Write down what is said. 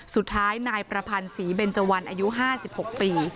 สุดท้ายนายประพันธ์ศรีเบนเจาันอายุห้าสิบหกปี